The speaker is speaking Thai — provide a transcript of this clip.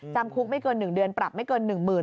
จำคุกไม่เกินหนึ่งเดือนปรับไม่เกินหนึ่งหมื่น